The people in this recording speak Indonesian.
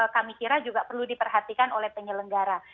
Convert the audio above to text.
kami kira juga perlu diperhatikan oleh penyelenggara